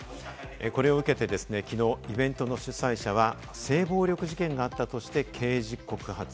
これを受けて、きのうイベントの主催者は性暴力事件があったとして刑事告発。